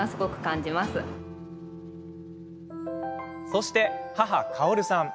そして、母・かおるさん。